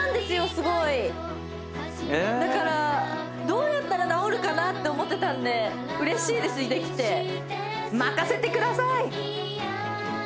すごいだからどうやったら治るかなって思ってたんで嬉しいですできて任せてください！